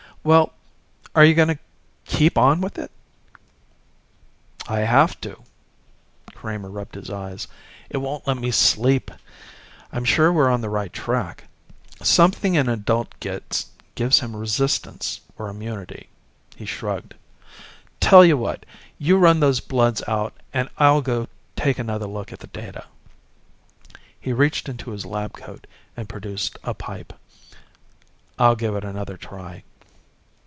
"Well are you going to keep on with it?" "I have to." Kramer rubbed his eyes. "It won't let me sleep. I'm sure we're on the right track. Something an adult gets gives him resistance or immunity." He shrugged. "Tell you what. You run those bloods out and I'll go take another look at the data." He reached into his lab coat and produced a pipe. "I'll give it another try."